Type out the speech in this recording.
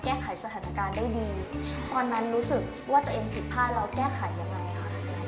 เราแก้ไขยังไงค่ะ